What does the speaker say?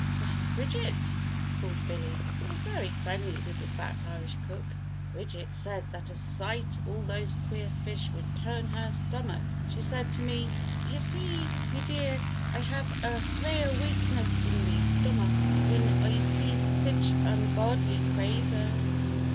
"Where's Bridget?" called Billy, who was very friendly with the fat Irish cook. "Bridget said that a sight of all those queer fish would turn her stomach she said to me, 'Ye see, me dear, I hev a rale wakeness in me stomack whin I see sich ungodly craythers.